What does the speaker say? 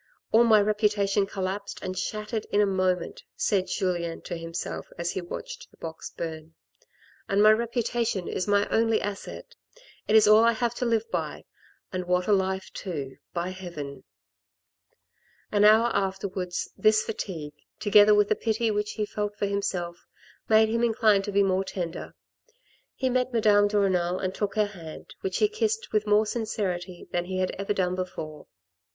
" All my reputation collapsed and shattered in a moment," said Julien to himself as he watched the box burn, "and my reputation is my only asset. It is all I have to live by — and what a life to, by heaven !" An hour afterwards, this fatigue, togother with the pity which he felt for himself made him inclined to be more tender. He met Madame de Renal and took her hand, which he kissed with more sincerity than he had ever done before.